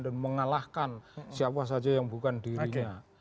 dan mengalahkan siapa saja yang bukan dirinya